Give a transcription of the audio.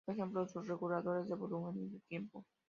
Por ejemplo los "reguladores" de volumen y de tiempo.